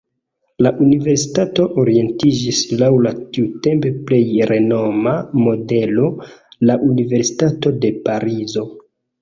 La universitato orientiĝis laŭ la tiutempe plej renoma modelo, la universitato de Parizo.